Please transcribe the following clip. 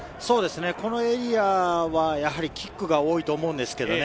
このエリアはやはりキックが多いと思うんですけどね。